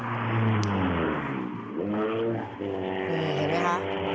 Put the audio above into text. นี่เห็นไหมคะ